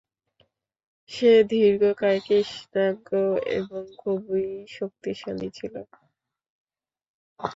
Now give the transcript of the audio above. সে দীর্ঘকায়, কৃষ্ণাঙ্গ এবং খুবই শক্তিশালী ছিল।